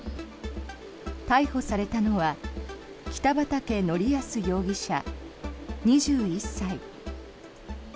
逮捕されたのは北畠成文容疑者、２１歳。